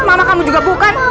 mama kamu juga bukan